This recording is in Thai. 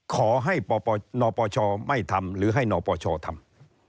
ขอให้หนอปอชอไม่ทำหรือให้หนอปอชอทำ